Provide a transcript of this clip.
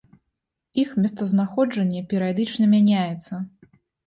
Іх месцазнаходжанне перыядычна мяняецца.